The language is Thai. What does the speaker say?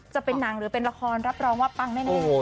จะเป็นหนังหรือเป็นละครรับรองว่าปังแน่